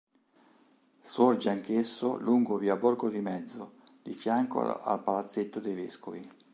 Sorge anch'esso lungo via Borgo di Mezzo, di fianco al palazzetto dei Vescovi.